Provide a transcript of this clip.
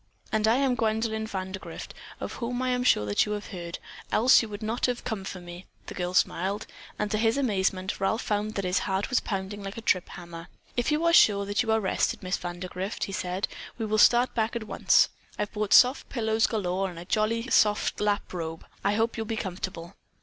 "And I am Gwendolyn Vandergrift, of whom I am sure that you have heard, else you would not have come for me," the girl smiled; and, to his amazement, Ralph found that his heart was pounding like a trip hammer. "If you are sure that you are rested, Miss Vandergrift," he said, "we will start back at once. I've brought soft pillows galore, and a jolly soft lap robe. I do hope you'll be comfortable."